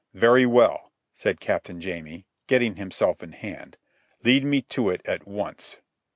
"Very well," said Captain Jamie, getting himself in hand. "Lead me to it at once."